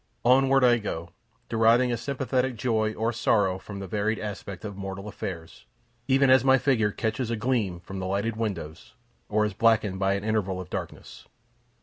Onward I go, deriving a sympathetic joy or sorrow from the varied aspect of mortal affairs, even as my figure catches a gleam from the lighted windows, or is blackened by an interval of darkness.